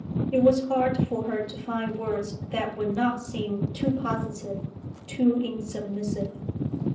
It was hard for her to find words that would not seem too positive, too insubmissive.